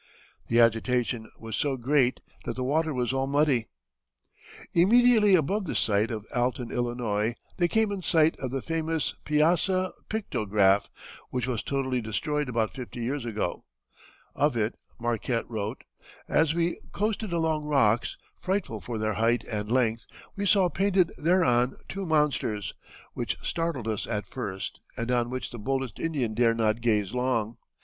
The agitation was so great that the water was all muddy." Immediately above the site of Alton, Ill., they came in sight of the famous Piasa pictograph, which was totally destroyed about fifty years ago. Of it Marquette wrote: "As we coasted along rocks, frightful for their height and length, we saw painted thereon two monsters, which startled us at first, and on which the boldest Indian dare not gaze long.